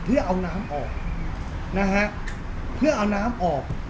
เพื่อเอาน้ำออกนะฮะเพื่อเอาน้ำออก